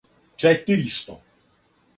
четиристо